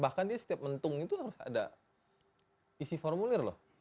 bahkan di setiap mentung itu harus ada isi formulir loh